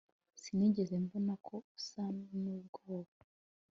Sinigeze mbona ko usa nubwoba